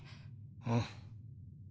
うん。